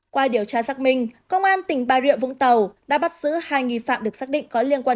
qua điều tra xác minh công an tỉnh bà rịa vũng tàu đã bắt giữ hai nghi phạm được xác định có liên quan